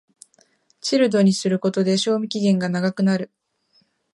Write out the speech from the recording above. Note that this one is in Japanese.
チルドにすることで賞味期限が長くなる